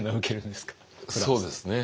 そうですね